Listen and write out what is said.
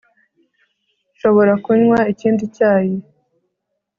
Nshobora kunywa ikindi cyayi